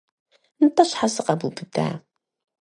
НтӀэ щхьэ сыкъэбубыда?